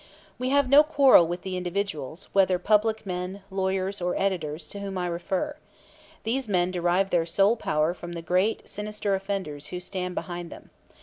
We have no quarrel with the individuals, whether public men, lawyers or editors, to whom I refer. These men derive their sole power from the great, sinister offenders who stand behind them.